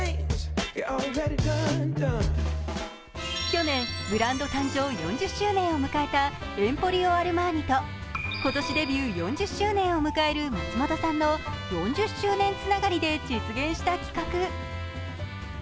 去年、ブランド生誕４０周年を迎えたエンポリオ・アルマーニと、今年デビュー４０周年を迎える松本さんの４０周年つながりで実現した企画。